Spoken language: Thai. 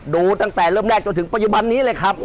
ดูตั้งแต่เริ่มแรกจนถึงปัจจุบันนี้เลยครับ